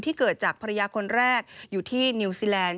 เกิดจากภรรยาคนแรกอยู่ที่นิวซีแลนด